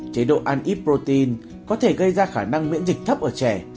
chế độ ăn ip protein có thể gây ra khả năng miễn dịch thấp ở trẻ